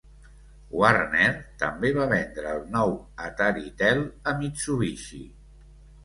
Warner també va vendre el nou Ataritel a Mitsubishi.